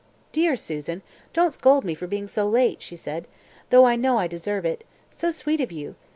"Dear Susan, don't scold me for being so late," she said, "though I know I deserve it. So sweet of you!